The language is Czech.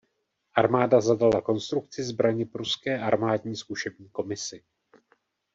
Armáda zadala konstrukci zbraně pruské armádní zkušební komisi.